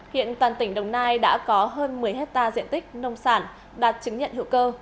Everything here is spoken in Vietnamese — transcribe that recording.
hiện toàn tỉnh đồng nai đã có hơn một mươi hectare diện tích nông sản đạt chứng nhận hữu cơ